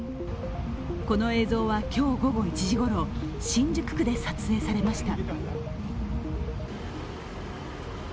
この映像は、今日午後１時ごろ新宿区で撮影されました。